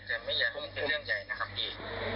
แต่ไม่อยากพูดเรื่องใหญ่นะครับพี่